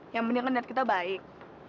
yang penting kan lihat kita baik